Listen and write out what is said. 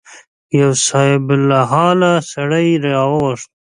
یو صاحب الحاله سړی یې راوغوښت.